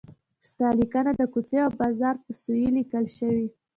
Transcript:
ستا لیکنه د کوڅې او بازار په سویې لیکل شوې.